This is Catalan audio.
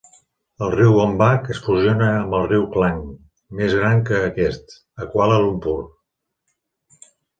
El riu Gombak es fusiona amb el riu Klang, més gran que aquest, a Kuala Lumpur.